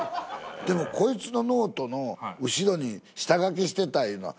でもこいつのノートの後ろに下書きしてたいうのは。